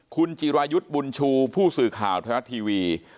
คุณจิรายุทธ์บุญชูผู้สื่อข่าวไทยรัฐทีวี